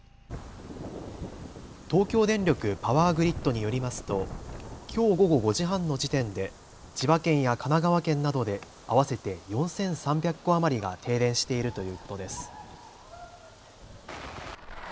東京電力パワーグリッドによりますときょう午後５時半の時点で千葉県や神奈川県などで合わせて４３００戸余りが停電しているということです。